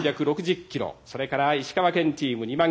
それから石川県チーム２万キロ。